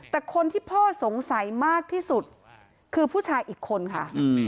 แต่คนที่พ่อสงสัยมากที่สุดคือผู้ชายอีกคนค่ะ